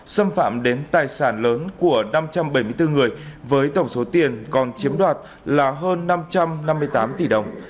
xâm phạm đến tài sản lớn của năm trăm bảy mươi bốn người với tổng số tiền còn chiếm đoạt là hơn năm trăm năm mươi tám tỷ đồng